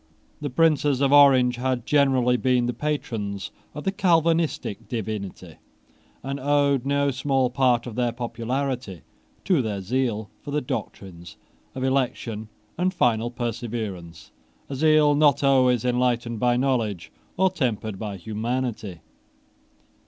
The princes of Orange had generally been the patrons of the Calvinistic divinity, and owed no small part of their popularity to their zeal for the doctrines of election and final perseverance, a zeal not always enlightened by knowledge or tempered by humanity.